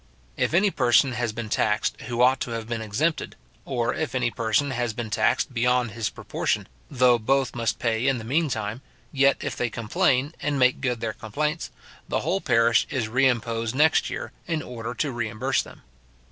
If any person has been taxed who ought to have been exempted, or if any person has been taxed beyond his proportion, though both must pay in the mean time, yet if they complain, and make good their complaints, the whole parish is reimposed next year, in order to reimburse them.